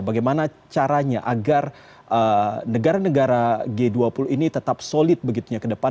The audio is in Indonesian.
bagaimana caranya agar negara negara g dua puluh ini tetap solid begitu ya ke depan